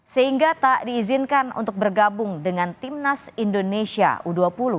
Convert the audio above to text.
sehingga tak diizinkan untuk bergabung dengan timnas indonesia u dua puluh